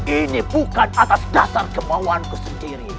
ini bukan atas dasar kemauanku sendiri